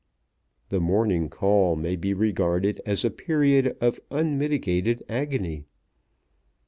The morning call may be regarded as a period of unmitigated agony.